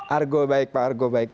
argo baik pak argo baik